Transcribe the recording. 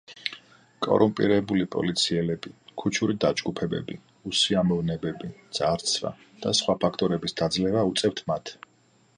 კორუმპირებული პოლიციელები, ქუჩური დაჯგუფებები, უსიამოვნებები, ძარცვა და სხვა ფაქტორების დაძლევა უწევთ მათ.